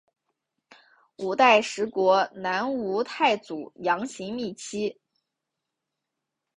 五代十国南吴太祖杨行密妻。